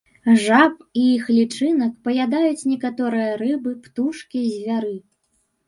Жаб і іх лічынак паядаюць некаторыя рыбы, птушкі, звяры.